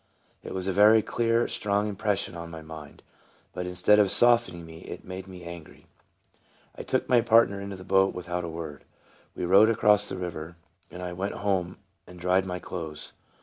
It was a very clear, strong impression on my mind, but instead of softening me it made me angry. I took my partner into the boat without a word. We rowed across the river, and I went home and dried my clothes.